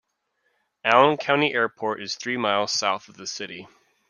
Allen County Airport is three miles south of the city.